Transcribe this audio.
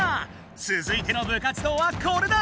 つづいての部活動はこれだ！